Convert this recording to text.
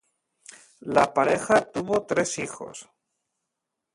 La pareja tuvo tres hijos.